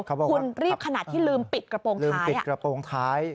คุณรีบขนาดที่ลืมปิดกระโปรงท้าย